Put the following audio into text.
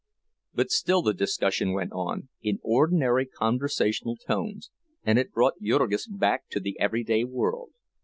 But still the discussion went on, in ordinary conversational tones, and it brought Jurgis back to the everyday world.